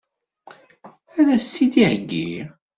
Ad as-tt-id-iheggi?